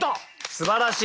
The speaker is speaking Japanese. すばらしい！